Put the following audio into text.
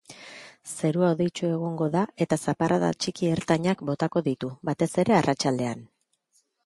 Zerua hodeitsu egongo da eta zaparrada txiki-ertainak botako ditu, batez ere arratsaldean.